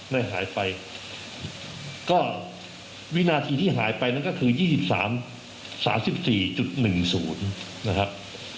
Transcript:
ได้หายไปก็วินาทีที่หายไปนั่นก็คือ๒๓๔๑๐นะครับ